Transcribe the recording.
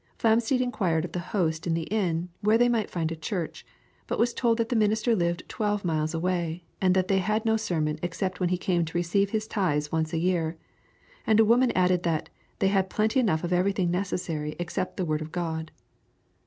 Flamsteed inquired of the host in the inn where they might find a church, but was told that the minister lived twelve miles away, and that they had no sermon except when he came to receive his tithes once a year, and a woman added that "they had plenty enough of everything necessary except the word of God."